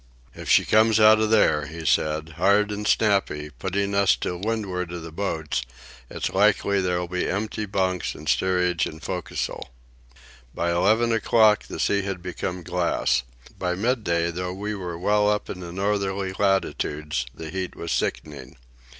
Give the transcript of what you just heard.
"If she comes out of there," he said, "hard and snappy, putting us to windward of the boats, it's likely there'll be empty bunks in steerage and fo'c'sle." By eleven o'clock the sea had become glass. By midday, though we were well up in the northerly latitudes, the heat was sickening.